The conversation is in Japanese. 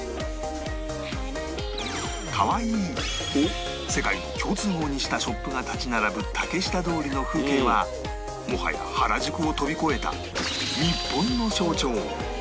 「カワイイ」を世界の共通語にしたショップが立ち並ぶ竹下通りの風景はもはや原宿を飛び越えた日本の象徴